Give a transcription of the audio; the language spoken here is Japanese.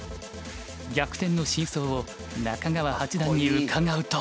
逆転の真相を中川八段に伺うと。